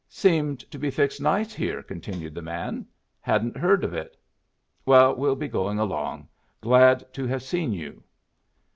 "Seem to be fixed nice here," continued the man. "Hadn't heard of it. Well, we'll be going along. Glad to have seen you."